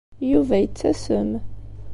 Yuba yettasem.